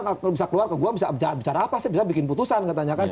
kalau bisa keluar ke gue bisa bicara apa sih bisa bikin putusan